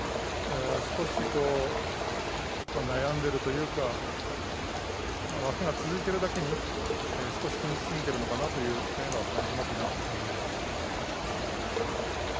少し悩んでいるというか負けが続いているだけに少し気にしすぎているのかなという面は感じますね。